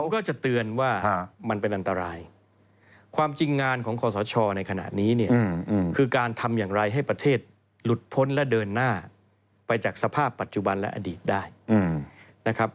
ก็จะเตือนว่ามันเป็นอันตรายความจริงงานของคอสชในขณะนี้เนี่ยคือการทำอย่างไรให้ประเทศหลุดพ้นและเดินหน้าไปจากสภาพปัจจุบันและอดีตได้นะครับ